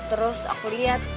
terus aku lihat